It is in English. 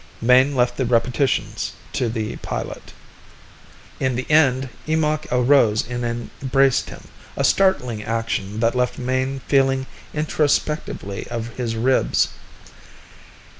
Mayne left the repetitions to the pilot. In the end, Eemakh arose and embraced him, a startling action that left Mayne feeling introspectively of his ribs.